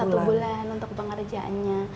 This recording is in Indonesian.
satu bulan untuk pengerjaannya